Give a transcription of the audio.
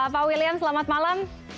pak william selamat malam